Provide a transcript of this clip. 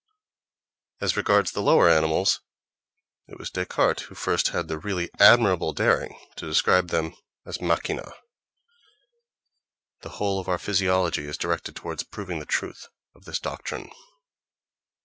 —As regards the lower animals, it was Descartes who first had the really admirable daring to describe them as machina; the whole of our physiology is directed toward proving the truth of this doctrine.